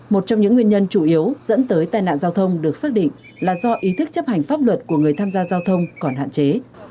một trong những nguyên nhân chủ yếu dẫn tới tai nạn giao thông được xác định là do ý thức chấp hành pháp luật của người tham gia giao thông còn hạn chế